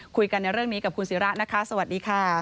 คุยกันในเรื่องนี้กับคุณศิระนะคะสวัสดีค่ะ